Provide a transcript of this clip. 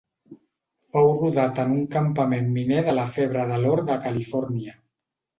Fou rodat en un campament miner de la Febre de l'or de Califòrnia.